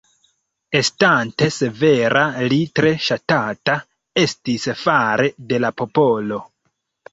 Estante severa li tre ŝatata estis fare de la popolo.